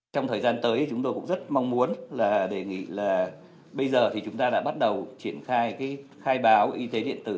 trong thời gian tới chúng tôi cũng rất mong muốn đề nghị là bây giờ chúng ta đã bắt đầu triển khai khai báo y tế điện tử